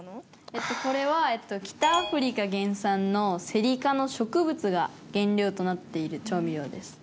えっとこれは北アフリカ原産のセリ科の植物が原料となっている調味料です。